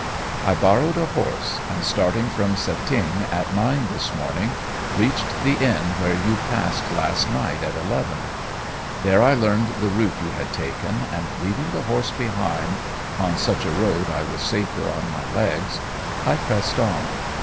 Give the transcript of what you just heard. I borrowed a horse, and, starting from Cetinge at nine this morning, reached the inn where you passed last night at eleven. There I learned the route you had taken, and leaving the horse behind on such a road I was safer on my legs I pressed on.